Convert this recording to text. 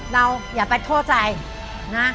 อย่าไปโทษใจนะ